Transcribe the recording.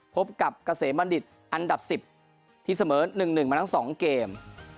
พบกับเกษมบัณฑิตอันดับ๑๐ที่เสมอ๑๑มาทั้ง๒เกม